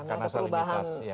karena salinitas dan segala macam